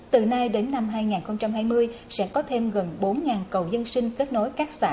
từ nay đến năm hai nghìn hai mươi sẽ có thêm gần bốn cầu dân sinh kết nối các xã